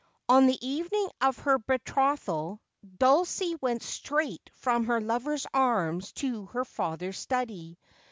On the evening of her betrothal Dulcie went straight from her Iovpi '.s arms to her father's study.